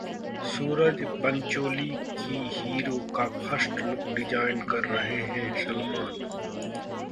सूरज पंचोली की हीरो' का first look design कर रहे हैं सलमान